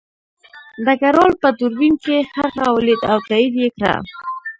ډګروال په دوربین کې هغه ولید او تایید یې کړه